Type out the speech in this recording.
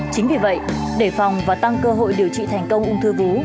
chính vì vậy đề phòng và tăng cơ hội điều trị thành công ung thư vú